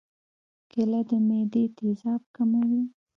کېله د معدې تیزاب کموي.